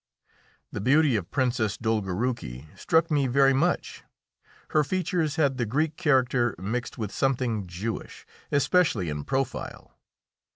The beauty of Princess Dolgoruki struck me very much. Her features had the Greek character mixed with something Jewish, especially in profile.